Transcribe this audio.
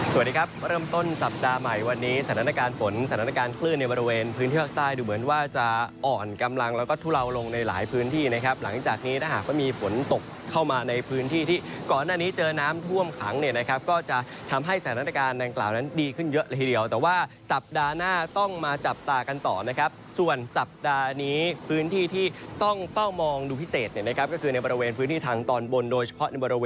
สวัสดีครับเริ่มต้นสัปดาห์ใหม่วันนี้สถานการณ์ฝนสถานการณ์คลื่นในบริเวณพื้นที่ภาคใต้ดูเหมือนว่าจะอ่อนกำลังแล้วก็ทุเลาลงในหลายพื้นที่นะครับหลังจากนี้ถ้าหากว่ามีฝนตกเข้ามาในพื้นที่ที่ก่อนอันนี้เจอน้ำท่วมขังเนี่ยนะครับก็จะทำให้สถานการณ์ดังกล่าวนั้นดีขึ้นเยอะหลายทีเดียว